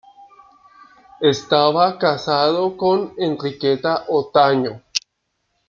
Estaba casado con Enriqueta Otaño.